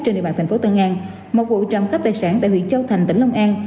trên địa bàn thành phố tân an một vụ trộm cắp tài sản tại huyện châu thành tỉnh long an